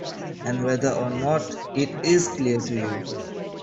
And whether or not it is clear to you